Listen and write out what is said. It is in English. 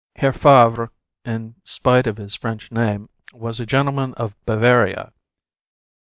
Herr Favre, in spite of his French name, was a gentleman of Bavaria.